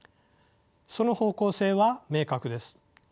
その方向性は明確です。